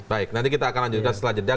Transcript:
baik nanti kita akan lanjutkan setelah jeda